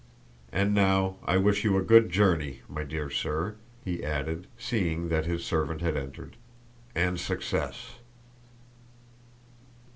And now I wish you a good journey, my dear sir," he added, seeing that his servant had entered... "and success."